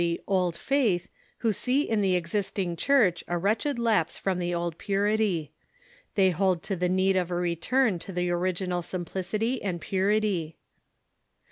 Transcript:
THE RUSSO GREEK CHURCH 347 the " old faith," who see in the existing Church a wretched lapse from the old j)urity. They hold to the need of a return to the original simplicity and purity.